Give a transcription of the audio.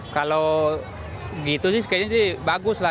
kalau gitu sih sepertinya bagus lah